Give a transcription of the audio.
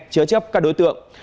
chớ chấp các đối tượng